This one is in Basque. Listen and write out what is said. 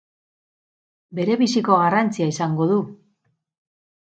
Berebiziko garrantzia izango du!